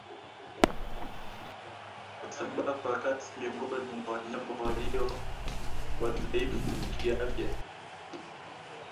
Husambaa kwa kasi miongoni mwa wanyama walio wadhaifu kiafya